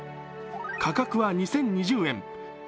価格は２０２０円。